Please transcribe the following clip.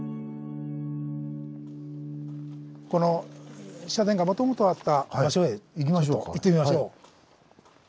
この社殿がもともとあった場所へ行ってみましょう。